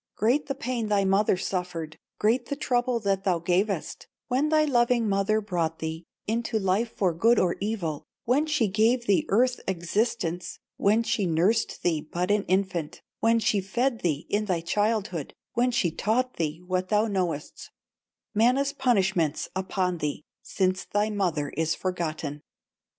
Great the pain thy mother suffered, Great the trouble that thou gavest When thy loving mother brought thee Into life for good or evil, When she gave thee earth existence, When she nursed thee but an infant, When she fed thee in thy childhood, When she taught thee what thou knowest, Mana's punishments upon thee, Since thy mother is forgotten!